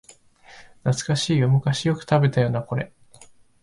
懐かしい、昔よく食べたよなこれ